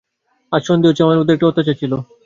আজ সন্দেহ হচ্ছে আমার মধ্যে একটা অত্যাচার ছিল।